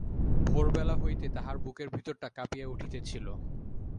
ভোরবেলা হইতে তাহার বুকের ভিতরটা কাঁপিয়া উঠিতেছিল।